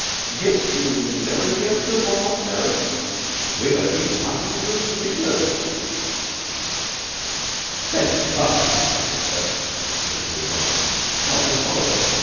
"Yiss. Yeou'll niver zee us no more, Mary. We're goin' to be passons an' missioners." "Steady the Buffs!" said McTurk, looking through the blind. "Tulke has followed us.